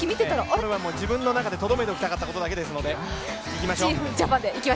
自分の中でとどめておきたかったことだけですので、いきましょう。